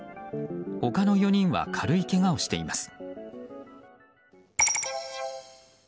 他の４人は軽いけがをしています。